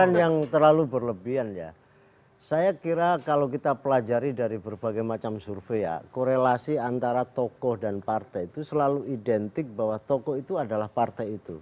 bukan yang terlalu berlebihan ya saya kira kalau kita pelajari dari berbagai macam survei ya korelasi antara tokoh dan partai itu selalu identik bahwa tokoh itu adalah partai itu